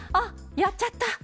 やっちゃった！